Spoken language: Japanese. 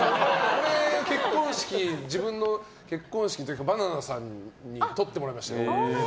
俺、自分の結婚式の時はバナナさんに撮ってもらいました。